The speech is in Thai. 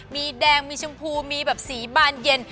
มีแดงมีชมพูมีแบบสีบานเย็น